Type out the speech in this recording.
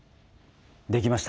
できました。